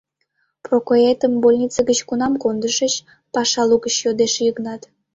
— Прокоетым больнице гыч кунам кондышыч? — паша лугыч йодеш Йыгнат.